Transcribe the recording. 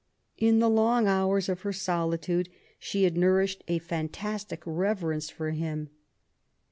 In the long hours of her solitude she had nourished a fantastic reverence for him.